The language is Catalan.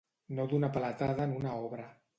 No donar paletada en una obra.